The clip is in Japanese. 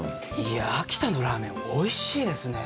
秋田のラーメン、おいしいですね。